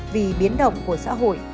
vì biến động của xã hội